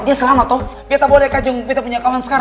dia selamat tuh beta boleh kajeng beta punya kawan sekarang